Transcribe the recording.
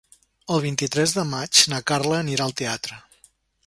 El vint-i-tres de maig na Carla anirà al teatre.